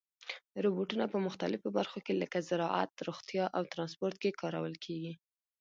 روبوټونه په مختلفو برخو کې لکه زراعت، روغتیا او ترانسپورت کې کارول کېږي.